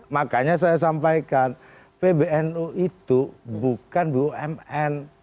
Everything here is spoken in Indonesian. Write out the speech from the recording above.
makanya saya sampaikan pbnu itu bukan bumn